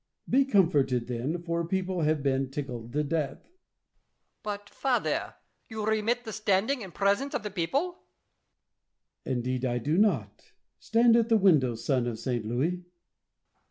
La Chaise. Be comforted, then; for people have been tickled to death. Louis, But, Father, you remit the standing in presence of the people ? La Chaise. Indeed I do not. Stand at the window, son of St. Louis. Louis.